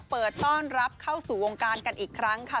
เปิดต้อนรับเข้าสู่วงการกันอีกครั้งค่ะ